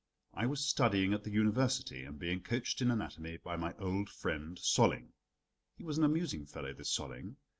I was studying at the University, and being coached in anatomy by my old friend Solling. He was an amusing fellow, this Solling.